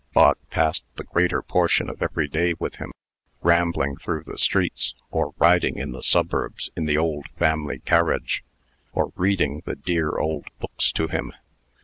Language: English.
Bog passed the greater portion of every day with him, rambling through the streets, or riding to the suburbs in the old family carriage, or reading the dear old books to him.